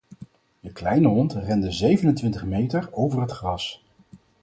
De kleine hond rende zevenentwintig meter over het gras.